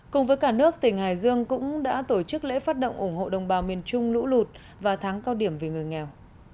cùng với cả nước tỉnh hải dương cũng đã tổ chức lễ phát động ủng hộ đồng bào miền trung lũ lụt và tháng cao điểm vì người nghèo